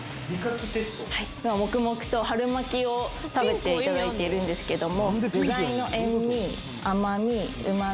黙々と春巻きを食べていただいているんですけども具材の塩味甘み旨み